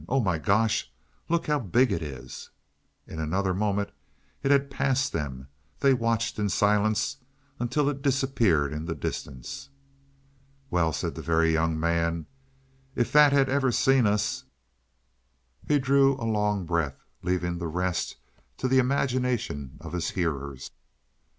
"Oh, my gosh, look how big it is!" In another moment it had passed them; they watched in silence until it disappeared in the distance. "Well," said the Very Young Man, "if that had ever seen us " He drew a long breath, leaving the rest to the imagination of his hearers.